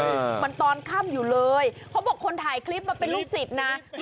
มันตอนค่ำอยู่เลยเขาบอกคนถ่ายคลิปมันเป็นลูกศิษย์นะ